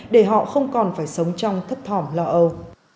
để họ không còn phải sống trong thấp thỏm lo âu